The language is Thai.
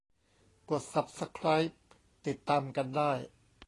กดซับสไครบ์ติดตามกันได้